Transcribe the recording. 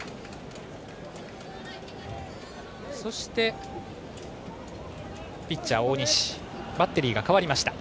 そしてピッチャー大西バッテリーが変わりました。